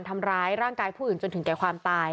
ทำร้ายร่างกายผู้อื่นจนถึงแก่ความตาย